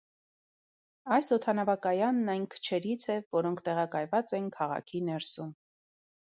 Այս օդանավակայանն այն քչերից է, որոնք տեղակայված են քաղաքի ներսում։